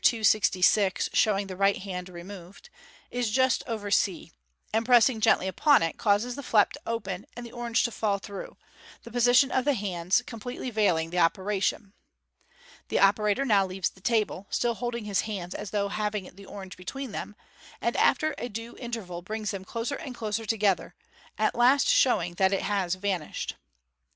266, showin right hand removed), is just over c, and pressing gently upon it, causes the flap to open, and the orange to fall through ; the position of the hands completely veil ing the operation. The operator now leaves the table, still holding his hands as though having the orange between them, and after a due interval, brings them closer and closer toge ther, at last showing that it has vanished.